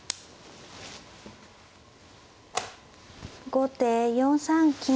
後手４三金。